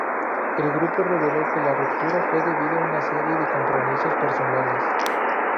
El grupo reveló que la ruptura fue "debido a una serie de compromisos personales".